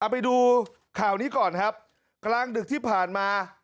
ไปดูข่าวนี้ก่อนครับกลางดึกที่ผ่านมา